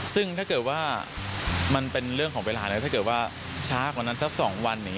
ซึ่งถ้าเกิดว่ามันเป็นเรื่องของเวลาถ้าเกิดว่าช้ากว่านั้นสักสองวัน